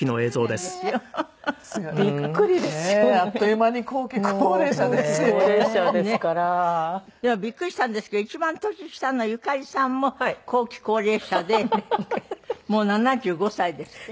でもびっくりしたんですけど一番年下のゆかりさんも後期高齢者でもう７５歳ですって？